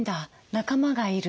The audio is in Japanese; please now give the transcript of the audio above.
仲間がいる。